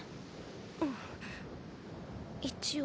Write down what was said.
うん一応。